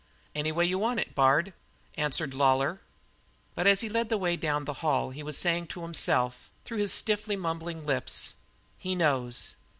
"Any way you want it, Bard," answered Lawlor, but as he led the way down the hall he was saying to himself, through his stiffly mumbling lips: "He knows!